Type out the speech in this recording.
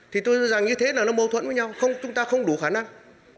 thì tôi cho rằng như thế là nó mâu thuẫn với nhau chúng ta không đủ khả năng